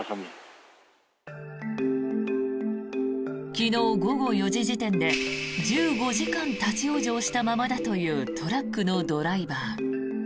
昨日午後４時時点で１５時間立ち往生したままだというトラックのドライバー。